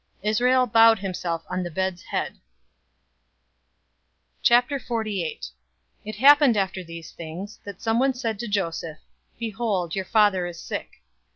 Israel bowed himself on the bed's head. 048:001 It happened after these things, that someone said to Joseph, "Behold, your father is sick."